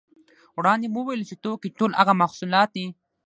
وړاندې مو وویل چې توکي ټول هغه محصولات دي